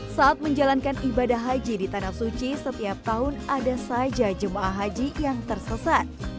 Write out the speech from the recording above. saat menjalankan ibadah haji di tanah suci setiap tahun ada saja jemaah haji yang tersesat